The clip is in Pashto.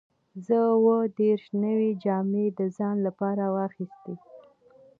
زه اووه دیرش نوې جامې د ځان لپاره واخیستې.